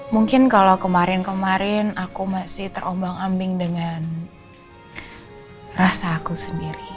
mungkin kalau kemarin kemarin aku masih terombang ambing dengan rasa aku sendiri